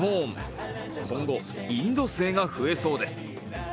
今後、インド製が増えそうです。